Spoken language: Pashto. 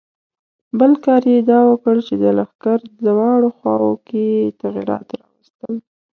بل کار یې دا وکړ چې د لښکر دواړو خواوو کې یې تغیرات راوستل.